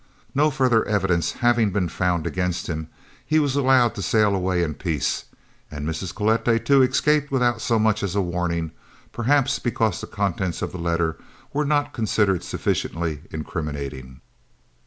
No further evidence having been found against him, he was allowed to sail away in peace, and Mrs. Cloete too escaped without so much as a warning, perhaps because the contents of the letter were not considered sufficiently incriminating.